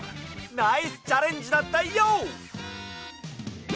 ナイスチャレンジだったＹＯ！